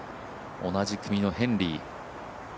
同じ組のヘンリー。